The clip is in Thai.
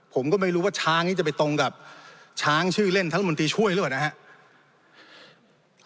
ผมก็ไม่รู้ว่าช้างนี้จะไปตรงกับช้างชื่อเล่นท่านรัฐมนตรีช่วยหรือเปล่านะครับ